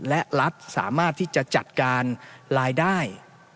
และรัฐสามารถที่จะจัดการรายได้